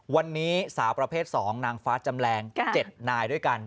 วันนี้สาวประเภท๒นางฟ้าจำแรง๗นายด้วยกัน